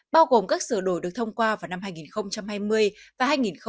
bao gồm các sửa đổi được thông qua vào năm hai nghìn hai mươi và hai nghìn hai mươi một